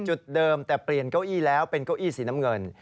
จุดเดิมแต่เปลี่ยนเก้าอี้แล้วเป็นเก้าอี้สีน้ำเงิน